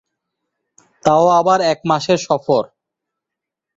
তাও আবার এক মাসের সফর।